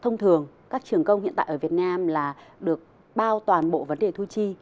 thông thường các trường công hiện tại ở việt nam là được bao toàn bộ vấn đề thu chi